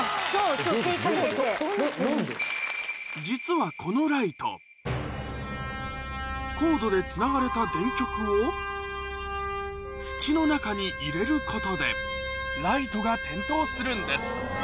実はこのライトコードでつながれた土の中に入れることでライトが点灯するんです